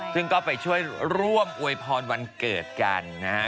ซึ่งก็ไปช่วยร่วมอวยพรวันเกิดกันนะฮะ